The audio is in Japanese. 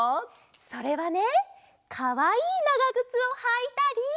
それはねかわいいながぐつをはいたり。